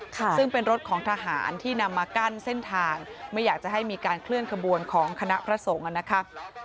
ซึ่งเป็นรถของทหารที่นำมากั้นเส้นทางไม่อยากจะให้มีการเคลื่อนขบวนของคณะพระสงฆ์อ่ะนะคะ